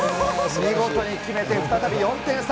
見事に決めて、再び４点差。